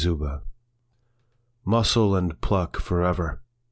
4 Muscle and pluck forever!